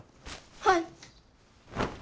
はい。